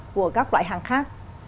của các loại hàng khác